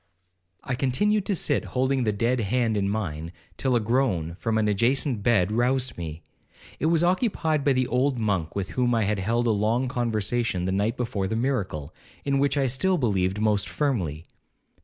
'I continued to sit holding the dead hand in mine, till a groan from an adjacent bed roused me. It was occupied by the old monk with whom I had held a long conversation the night before the miracle, in which I still believed most firmly.